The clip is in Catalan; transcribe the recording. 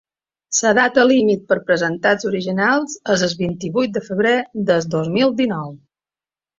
La data límit per presentar els originals és el vint-i-vuit de febrer del dos mil dinou.